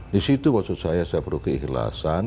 di situ maksud saya saya perlu keikhlasan